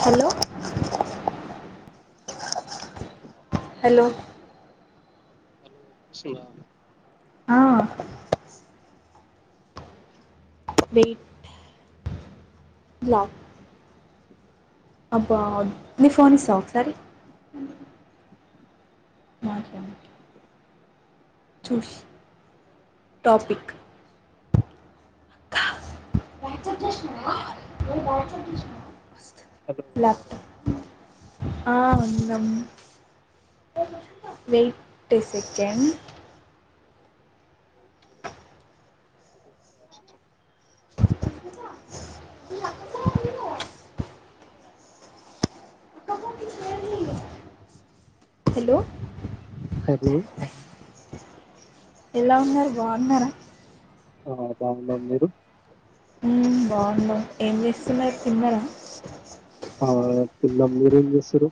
Hello hello hello స్తుందా ఆ wait క్లాత్ అబ్బా నీ ఫోన్ ఇస్తావా ఒకసారి మాట్లాడు చూస్ టాపిక్ వ ప్రష్ష్ హలో లక్ ఉన్నారా ఆ ఉన్నాం wait a second okay [unintelligible] [inaudible] hello hello ఎలా ఉన్నారు బాగున్నారా ఆ బాగున్నాం మీరు ఉమ్ బాగున్నాం ఏం చేస్తున్నారు తిన్నరా ఆ తిన్నాం మీరు ఏం చేస్తురు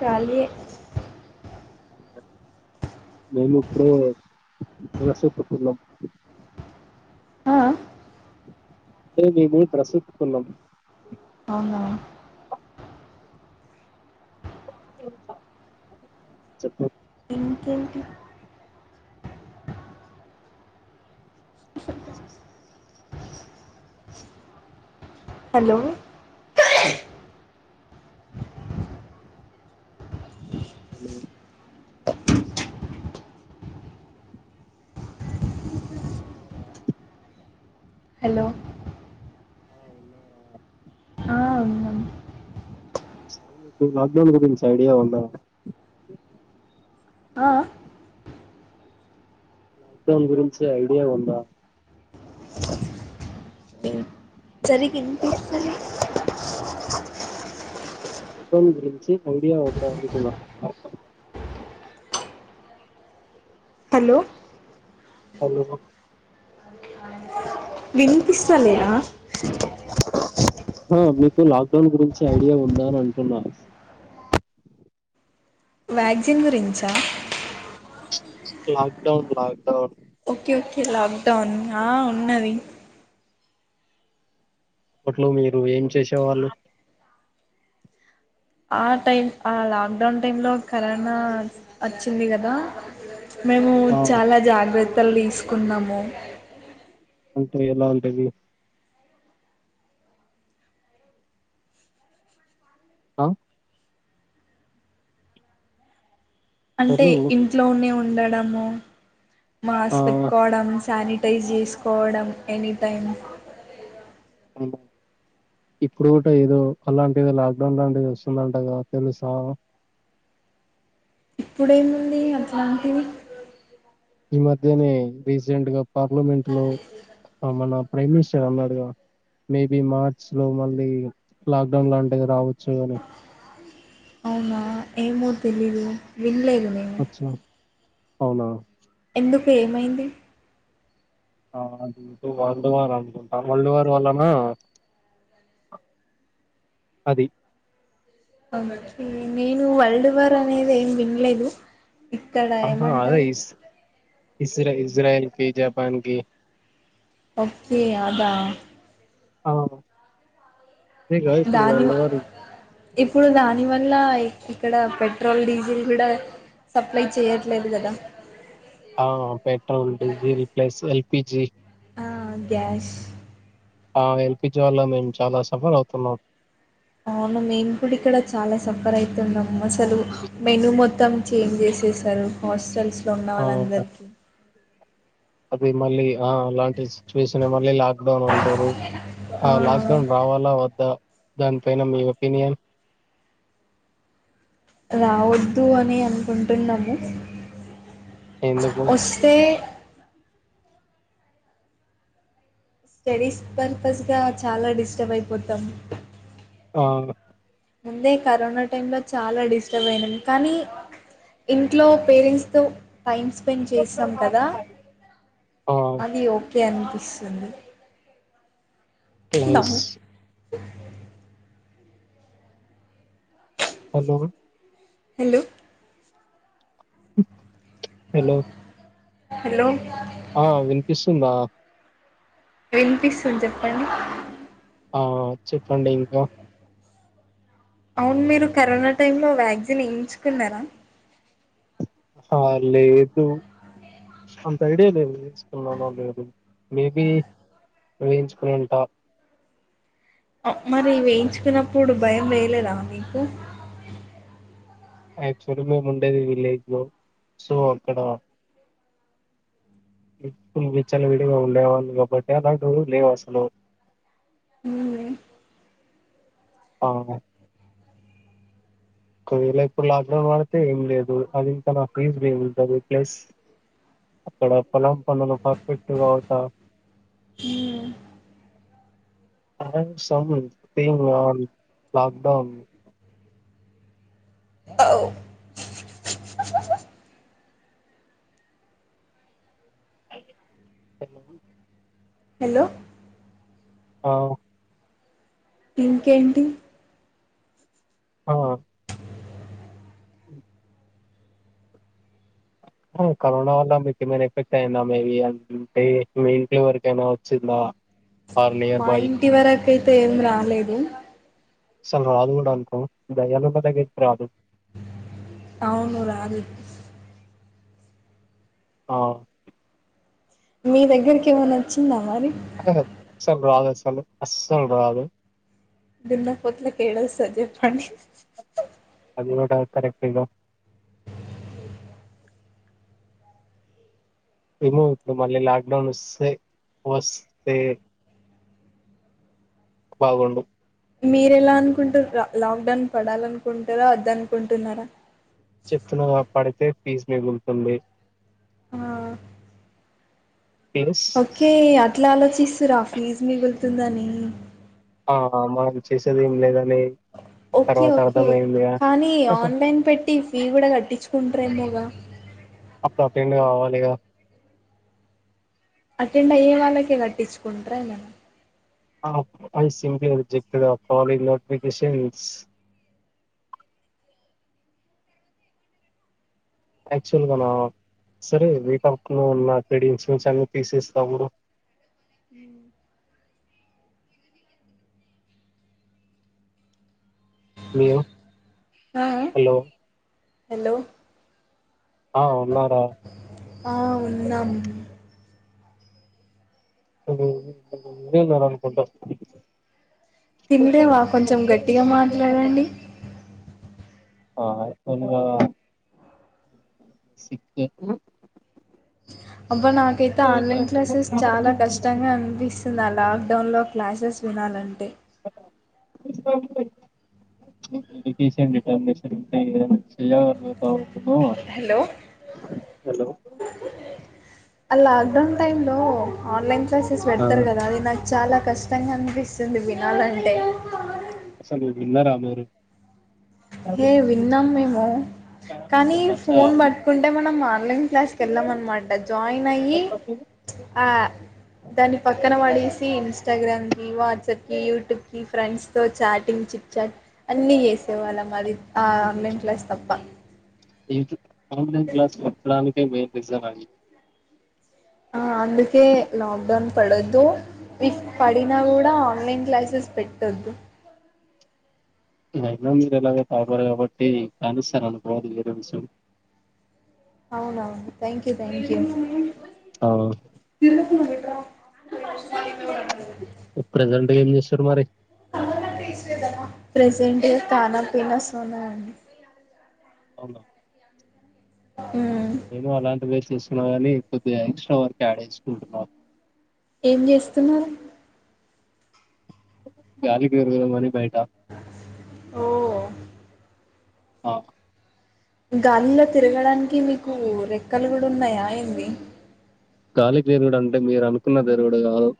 ఖాళీయే నేను ఇప్పుడే వసపర్ల తిన్నాం ఆ అదే మేము ప్రస్తుద్తికున్నాం అవునా చెప్పు ఇంకేంటి హలో హలో హలో ఉన్నారా హలో ఆ ఉన్నార ఆ ఉన్నాం లాక్డౌన్ గురించి ఐడియా ఉందా ఆ లక్డౌన్ గురించి ఐడియా ఉందా జరి కింత ఇస్తది లాక్ డౌన్ గురించి ఐడియా ఉందా అంటున్నా హలో హలో విని ఇస్తలేదా ఆ మీకు లాక్డౌన్ గురించి ఐడియా ఉందా అని అంటున్నా వ్యాక్సిిన్ గురించా lockdown lockdown okay okay lockdown ఆ ఉన్నది అప్పట్లో మీరు ఏం చేసే వాళ్ళు ఆ టైమ్ ఆ లాక్డౌన్ టైమ్ లో కరోనా వచ్చింది కదా మేము ఆ చాలా జాగ్ర తలు తీసుకున్నాము అంటే ఎలా ఉంటది? హాఁ అంటే హలో ఇంట్లోనే ఉం ఉండడము. ఆ మాస్క్ పెట్కోవడం సాని టైజ్ చేసుకోవడం ఎనీ టైమ్ ఆఁ ఇప్పుడు కూట ఏదో అలాంటిదే లాక్డౌన్ లాంటిది వస్తుందంటగా తెలుసా? ఇప్పుడేముంది అట్లాంటివి! ఈ మధ్యనే రీసెంట్ గా పార్లమెంట్ లో మన ప్రైమ్ మినిస్టర్ అన్నాడుగా మేబి మార్చ్ లో మళ్ళీ లాక్డౌన్ లాంటిది రావొ చ్చు అని అవునా ఏమో తెలీదు విన్లేదు నేను అచ్చా అవునా ఎందుకు ఏమైంది ఆ అది ఇటు వరల్డ్ వార్ అనుకుంటా, వరల్డ్ వార్ వల్లన అది ఓకే నేను వరల్డ్ వార్ అనేది ఏం వినలేదు. ఇక్కడ ఏమంటారు ఇజ్ర ఇజరాయిల్కి, జపన్కి ఓకే అదా. ఆఁ దాని ఇప్పుడు దాని వ ల్ల ఇక్కడ పెట్రోల్ డీజిల్ కూడా సప్లై చేయట్లేదు కదా. ఆ petrol diesel plus L PG ఆ గ్యాస్ ఆ ఎల్పిజి వల్ల మేము చాలా సఫర్ అవుతున్నాం అవును మేం కూడా ఇక్కడ చాలా సఫర్ అయితున్నం అసలు మెను మొత్తం చేంజ్ చేసేశారు హాస్టల్స్ లో ఉన్న ఆ వాళ్ళందరికి అది మళ్లి ఆఁ అలాంటి సిచ్యువేషన్ మళ్ళీ లాక్ డౌన్ అంటరు. ఆ లాక్ డౌన్ రావాలా వద్దా దాని పైన మీ ఒపీనియన్ రావొద్దు అని అనుకుంటున్నాము ఎందుకు వస్తే స్టడీస్ పర్పస్ గా చాలా డిస్టర్బ్ అయిపోతం అ ముందే కరోనా టై లో చాలా డిస్టర్బ్ అయినాం కానీ ఇంట్లో పేరెంట్స్ తో టైం స్పెండ్ చేసాం కదా ఆ అది ఓకె అనిపిస్తుంది క్లాస్ [unintelligible] హలో హలో ఓ హలో హలో ఆ వినిపిస్తుందా వినిపిస్తుంది చెప్పండి ఆ చెప్పండి ఇంకా అవును మీరు కరోనా టైమ్ లో వ్యాక్సిన్ వేయించుకున్నారా ఆ లేదు అంత ఐడియా లేదు వేసుకున్నాను లేదు మేబి వేయించుకునేంట మరి వేయించుకున్నప్పుడు భయం వేయలేదా మీకు ఐసర మేము ఉండేది విలేజ్ లో సో అక్కడ విచ్చలవిడిగా ఉండేవాళ్ళు కాబట్టి అలాంటి లేవు అసలు ఉ ఆ ఒకవేళ ఇప్పుడు లాక్డౌన్ ఆడితే ఏం లేదు అది ఇం నాజ్ బ ప్స్ అక్కడ పొలం పనును పర్ఫెక్ట్ కాటమ్ంగ్ లాక్డౌన్ [unintelligible] హలో ఆ ఇంకేంటి ఆ కరోనా వల్ల మీకు ఏమైనా ఎఫెక్ట్ అయియందా మేబీ అ మీ ఇంట్లో ఎవరికైనా వచ్చిందా ఆర్ నియర్ మా బై ఇంటి వరక ఐత ఏం రాలేదు [unintelligible] అవును రాదు ఆ మీ దగ్గరకి ఏమనా వచ్చిందా మరి [unintelligible] అస్సలు రాదు అసలు అస్సలు రాదు దూనా పోతులకు ఎడ వస్తది చెప్పండి అది కూడా కరెక్ట్ ఆ ఏమో ఇప్పుడు మళ్ళీ లాక్డౌన్ వస్తే వస్తే బాగుండు మీర్ ఎలా అనుకుంటు లాక్ డౌన్ పడాల అనుకుంటారా వద్ద అనుకుంటున్నారా చెప్తున్నగా పడితే ఫీజు మిగులుతుంది ఆ ప్లస్ ఓకే ఇట్లా ఆలోచిస్తరా ఫీజ్ మిగులుతుందని ఆ మనం చేసేది ఏం లేద ఓకే ఓకే కానీ ఆన్లైన్ పెట్టి మీర్ కూడా కట్టించుకుంటారేమోగా అప్పుడు అటెండ్ కావాలి గా అటెండ్ అయ్యే వాళ్ళకే కట్టించుకుంటార మన [unintelligible] నోటిఫికషన్స్ యాక్చువల్గా నా సరే వీకప్ ను ఉన్న [unintelligible] అన్ని తీసేసిన కూడా [unintelligible] లో ఆ హలో ఆ ఉన్నారా ఆ ఉన్నాం [unintelligible] అనుకుంట తినలేవా కొంచెం గట్టిగా మాట్లాడండి ఆ [unintelligible] అబ్బ నాకైతే సిక్ ఆన్లైన్ క్లాసెస్ చాలా కష్టంగా అనిపిస్తుంది ఆ లాక్డౌన్ లో క్లాసెస్ వినాలని అంటే [inaudible] హలో హలో అ లాక్ డౌన్ టైమ్ లో ఆన్లైన్ క్లాసెస్ పెడతారు కదా అది నాకు చాలా కస్ ష్టంగా అనిపిస్తుంది వినాలంటే అసలు విన్నారా మీరు ఏ విన్నాం మేము కానీ అచ్చా, ఫోన్ అవును. బట్టుకుంటే మనం మా ఆన్లైన్ క్లాస్ కెల్ల మన్నామాట జాయిన్ అయ్యి అ దాన్ని పక్కన పడేసి ఇన్స్టాగ్రామ్ ఇ వాట్సాప్ కి యూట్యూబ్ కి ఫ్రెండ్స్ తో చాటింగ్ చిక్ చాట్ అన్ని చేసే వాళ్ళం మాది ఆ ఆన్లైన్ క్లాస్ తప్ప [unintelligible] ఆన్లైన్ క్లాస్ [unintelligible] [unintelligible] ఆ అందుకే లాక్డౌన్ పడొద్దు ఇఫ్ పడినా కూడా ఆన్లైన్ క్లాసెస్ పెట్టొద్దు అయినా మీరు ఎలాగొ టాపర్ కాబట్టి రాసేస్తారు అనుకో [unintelligible] తెలుసు అవునవును థ్యాంక్ యూ థ్యాంక్ యూ తిరుల పురుగు [inaudible] ఇప్ప్ ప్రెజెంట్ ఏం చేస్తారు మరి ప్రెజెంట్ ఖానా పిన సోనా అండి హలో మ్మ్ నేను అలాంటి వేరు చేసి కొద్దిగా ఎక్సట్ర వర్క్ యాడ్ చేసుకుంటున్నామ్ ఏం చేస్తున్నారు రు మనీ బయ [unintelligible] ఓ అ గాలిలో తిరగడానికి మీకూ రెక్కలు కూడా ఉన్నాయా ఏంది గాలికి ఎగరడం అంటే మీరు అనుకున్నది ఎగరడం కాదు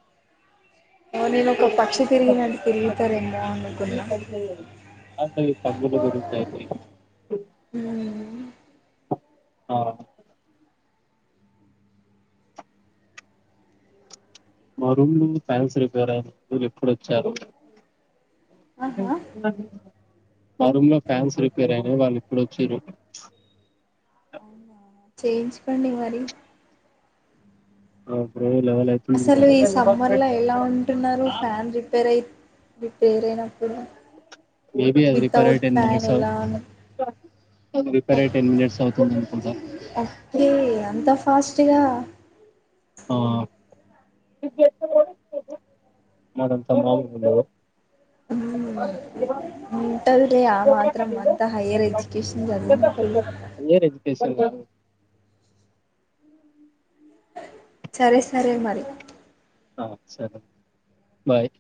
ఓ నేను ఒక పక్షి తిరిగినట్టు తిరుగుతారేమో అనుకున్నా చలు గరు మ్మ్ [unintelligible] అ మా రూమ్ నుండి ఫ్యాన్స్ రిపేర్ అయినయి మీరు ఎప్పుడొచ్చారు ఆహా [inaudible] మా రూమ్ లో ఫ్యాన్స్ రిపేర్ అయినా కదా ఇప్పుడొచ్చిన్రు అవునా చేస్కొండి మరి ఓకే అసలు ఈ సమ్మర్ లో ఎలా ఉంటున్నారు ఫ్యాన్ రిపేర్ అయి రిపెర్ అయినప్పుడు మే బి అది రిపేర్ అయిట వితౌట్ టెన్ ఫ్యాన్ మినిట్స్ ఎలా ఉన్నా అది రిపేర్ అయిటానికి టెన్ మనిట్స్ అవుతుంది అనుకుంటా ఓకే అంత ఫాస్ట్గా ఆ మడంత మావు [unintelligible] మ్మ్ ఉంటాదిలే ఆ మాత్రం అంతా హయ్యర్ ఎడ్యుకేషన్ చదివినప్పుడు ఏవ్వరు సరే సరే మరి ఆ సరే బాయ్